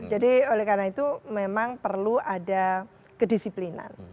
jadi oleh karena itu memang perlu ada kedisiplinan